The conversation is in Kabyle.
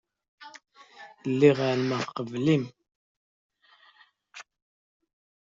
Lliɣ ɛelmeɣ qbel-im.